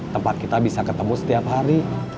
tempat kita bisa ketemu setiap hari